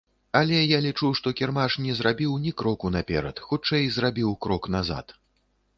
Але я лічу, што кірмаш не зрабіў ні кроку наперад, хутчэй, зрабіў крок назад.